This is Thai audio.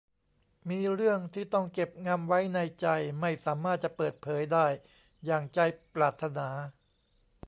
มีเรื่องที่ต้องเก็บงำไว้ในใจไม่สามารถจะเปิดเผยได้อย่างใจปรารถนา